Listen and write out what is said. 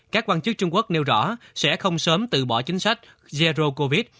các quan chức trung quốc nêu rõ sẽ không sớm từ bỏ chính sách zero covid